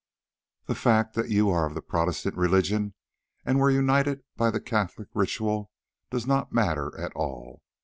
The fact that you are of the Protestant religion, and were united by the Catholic ritual, does not matter at all.